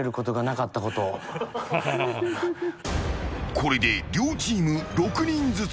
これで両チーム６人ずつ。